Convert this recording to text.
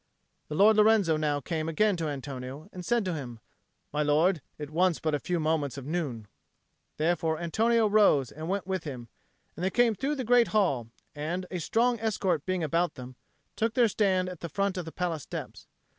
The Lord Lorenzo now came again to Antonio and said to him, "My lord, it wants but a few moments of noon." Therefore Antonio rose and went with him; and they came through the great hall, and, a strong escort being about them, took their stand at the foot of the palace steps.